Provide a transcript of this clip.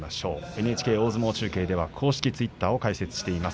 ＮＨＫ大相撲中継では公式ツイッターを開設しています。